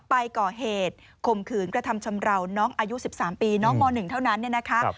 ไปก่อเหตุข่มขืนกระทำชำราวน้องอายุ๑๓ปีน้องม๑เท่านั้นเนี่ยนะคะ